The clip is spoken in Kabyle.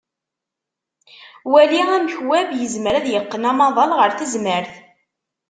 Wali amek web yezmer ad yeqqen amaḍal ɣer tezmert.